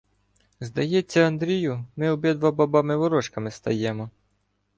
— Здається, Андрію, ми обидва бабами-ворожками стаємо.